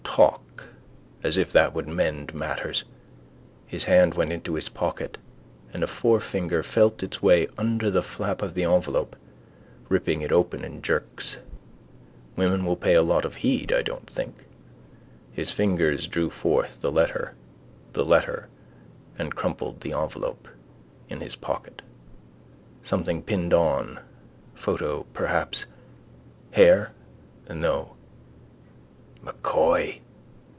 Talk: as if that would mend matters. His hand went into his pocket and a forefinger felt its way under the flap of the envelope, ripping it open in jerks. Women will pay a lot of heed, I don't think. His fingers drew forth the letter the letter and crumpled the envelope in his pocket. Something pinned on: photo perhaps. Hair? No. M'Coy.